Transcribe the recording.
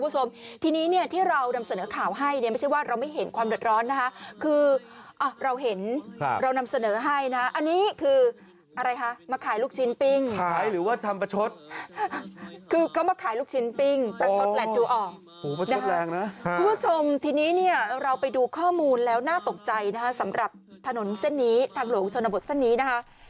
สำหรับถนนเส้นนี้ทางหลวงชนบทเส้นนี้นะคะ